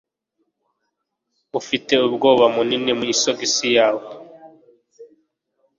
Ufite umwobo munini mu isogisi yawe.